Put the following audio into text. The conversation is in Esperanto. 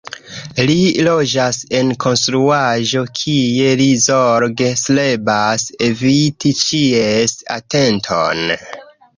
Li loĝas en konstruaĵo kie li zorge strebas eviti ĉies atenton.